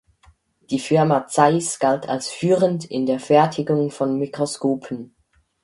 Die Firma Zeiss galt als führend in der Fertigung von Mikroskopen.